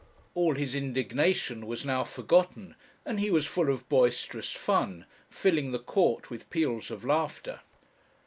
All his indignation was now forgotten, and he was full of boisterous fun, filling the court with peals of laughter.